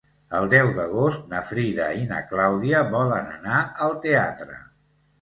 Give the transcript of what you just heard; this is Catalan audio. El deu d'agost na Frida i na Clàudia volen anar al teatre.